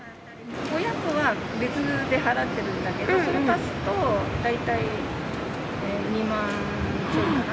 親とは別で払ってるんだけど、それ足すと、大体２万ちょっとかな。